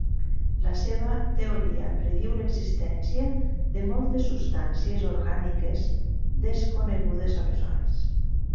La seva teoria prediu l'existència de moltes substàncies orgàniques desconegudes aleshores.